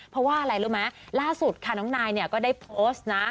เพราะว่าอะไรรู้ไหมล่าสุดค่ะน้องนายเนี่ยก็ได้โพสต์นะ